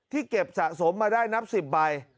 เก็บสะสมมาได้นับ๑๐ใบ